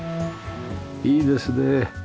いいですね。